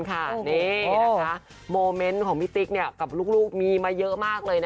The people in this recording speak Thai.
ประเทศงานของพี่ติ๊กมีมีมาเยอะมากเลย